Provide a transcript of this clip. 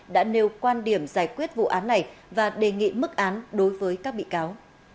đã nêu quan điểm giải quyết vụ án này và đề nghị mức án đối với các bị cáo